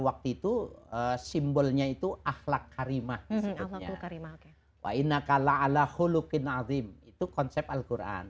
waktu itu simbolnya itu ahlak karimah maksudnya wa inna kalla ala khulukin azim itu konsep alquran